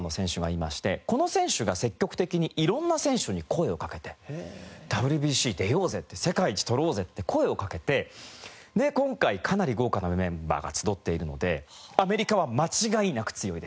この選手が積極的にいろんな選手に声をかけて「ＷＢＣ出ようぜ」って「世界一取ろうぜ」って声をかけてで今回かなり豪華なメンバーが集っているのでアメリカは間違いなく強いです。